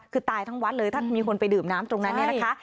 คือตายทั้งวัดเลยถ้ามีคนไปดื่มน้ำตรงนั้นเนี่ยนะคะ